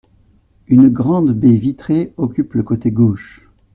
Une grande baie vitrée occupe le côté gauche.